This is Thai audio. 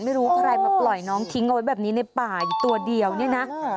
ไม่รู้ใครมาปล่อยน้องทิ้งเอาไว้แบบนี้ในป่าอยู่ตัวเดียวเนี่ยนะ